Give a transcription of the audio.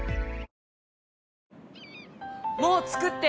もう着くって！